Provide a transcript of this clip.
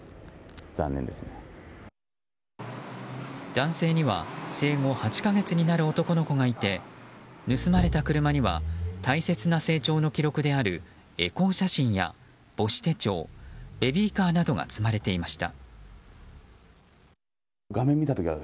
男性には生後８か月になる男の子がいて盗まれた車には大切な成長の記録であるエコー写真や母子手帳ベビーカーなどが積まれていました。